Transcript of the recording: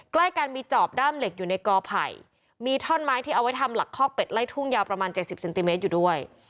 ใกล้กันมีจอบด้ามเหล็กอยู่ในกอไผ่มีท่อนไม้ที่เอาไว้ทำหลักคอกเป็ดไล่ทุ่งยาวประมาณ๗๐เซนติเมตรอยู่ด้วย